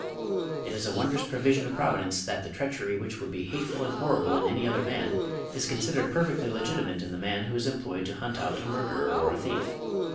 It is a wondrous provision of Providence that the treachery which would be hateful and horrible in any other man, is considered perfectly legitimate in the man who is employed to hunt out a murderer or a thief.